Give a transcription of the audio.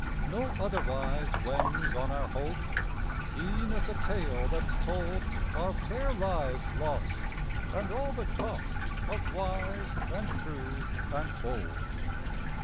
No otherwise wends on our Hope: E'en as a tale that's told Are fair lives lost, and all the cost Of wise and true and bold.